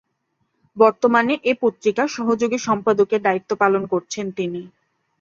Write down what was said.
বর্তমানে এ পত্রিকার সহযোগী সম্পাদকের দায়িত্ব পালন করছেন তিনি।